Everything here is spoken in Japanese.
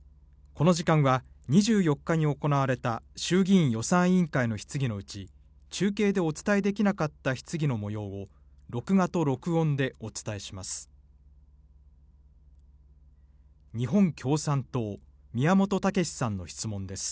この時間は、２４日に行われた衆議院予算委員会の質疑のうち、中継でお伝えできなかった質疑のもようを録画と録音でお伝えします。